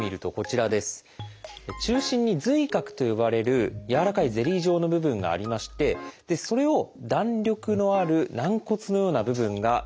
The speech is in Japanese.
中心に「髄核」と呼ばれる軟らかいゼリー状の部分がありましてそれを弾力のある軟骨のような部分が取り囲んでいます。